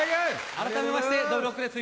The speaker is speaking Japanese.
改めましてどぶろっくです